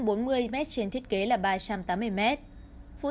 bước trống năm m trên vi đã đào được hai trăm bốn mươi m trên thiết kế là ba trăm tám mươi m